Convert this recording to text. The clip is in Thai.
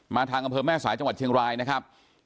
ทางอำเภอแม่สายจังหวัดเชียงรายนะครับ